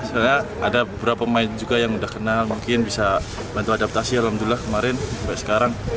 sebenarnya ada beberapa pemain juga yang udah kenal mungkin bisa bantu adaptasi alhamdulillah kemarin sampai sekarang